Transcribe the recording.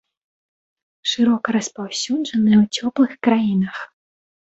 Шырока распаўсюджаныя ў цёплых краінах.